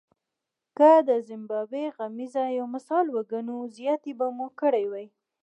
که د زیمبابوې غمیزه یو مثال وګڼو زیاتی به مو کړی وي.